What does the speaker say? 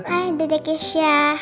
hai adik keisha